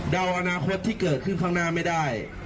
อนาคตที่เกิดขึ้นข้างหน้าไม่ได้